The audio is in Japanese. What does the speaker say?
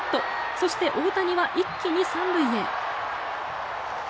そして、大谷は一気に３塁へ。